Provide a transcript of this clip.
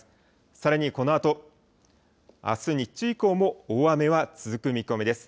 さらにこのあと、あす日中以降も大雨が続く見込みです。